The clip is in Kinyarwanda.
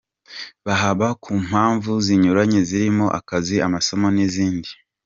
Bahaba ku mpamvu zinyuranye zirimo akazi, amasomo n’izindi.